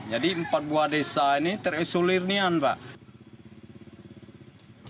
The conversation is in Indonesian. jadi empat buah desa ini teresolir nih pak